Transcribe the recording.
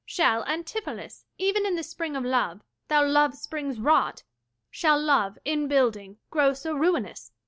shall, Antipholus, Even in the spring of love, thy love springs rot? Shall love, in building, grow so ruinous?